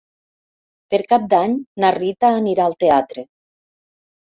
Per Cap d'Any na Rita anirà al teatre.